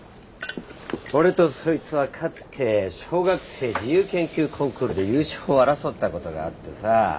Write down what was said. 俺とそいつはかつて小学生自由研究コンクールで優勝を争ったことがあってさ。